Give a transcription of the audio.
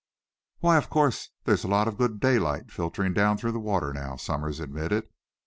"Why, of course there's a lot of good daylight filtering down through the water now," Somers admitted.